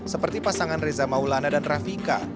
seperti pasangan reza maulana dan rafika